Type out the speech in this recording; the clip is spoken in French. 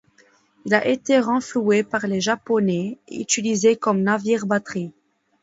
Il a été renfloué par les japonais et utilisé comme navire-batterie.